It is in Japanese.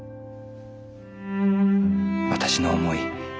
私の思い